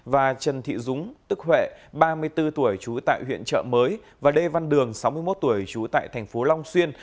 và trần thị dúng tức huệ ba mươi bốn tuổi trú tại huyện chợ mới và đê văn đường sáu mươi một tuổi trú tại tp long xuyên